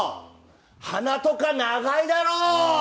鼻とか長いだろー。